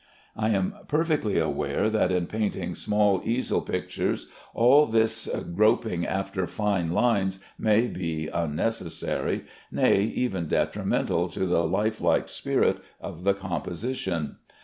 I am perfectly aware that in painting small easel pictures all this groping after fine lines may be unnecessary, nay, even detrimental to the life like spirit of the composition.